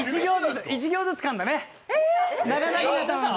１行ずつかんだね。